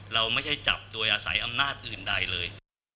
เราไม่ใช่จับโดยอาศัยอำนาจอื่นใดเลย